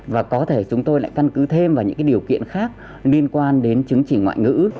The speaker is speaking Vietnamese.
và có thể chúng tôi lại căn cứ thêm vào những điều kiện khác liên quan đến chứng chỉ ngoại ngữ